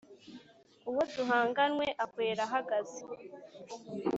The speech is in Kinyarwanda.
Uwo duhanganywe ahwera ahagaze,